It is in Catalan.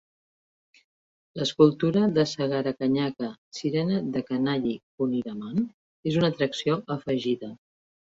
L'escultura de Sagarakanyaka - Sirena de Kanayi Kunhiraman és una atracció afegida.